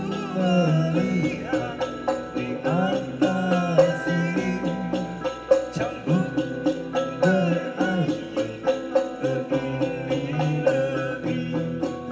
aku melihat di atas sini campur berair begini lebih